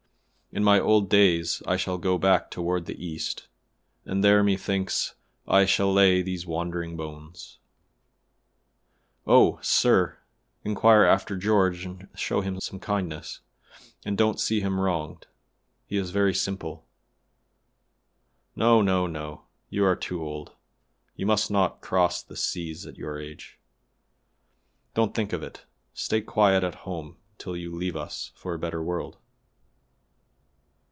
In my old days I shall go back toward the East, and there methinks I shall lay these wandering bones." "Oh, sir, inquire after George and show him some kindness, and don't see him wronged, he is very simple. No! no! no! you are too old; you must not cross the seas at your age; don't think of it; stay quiet at home till you leave us for a better world."